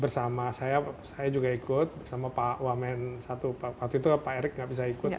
bersama saya saya juga ikut bersama pak wamen satu waktu itu pak erick nggak bisa ikut